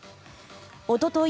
おととい